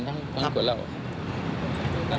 ขอคุยกับคุณชาวชาวชาวชาว